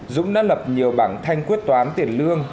dũng đã lập nhiều bảng thanh quyết toán tiền lương